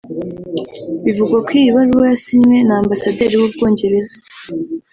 Bivugwa ko iyi baruwa yasinywe na Ambasaderi w’u Bwongereza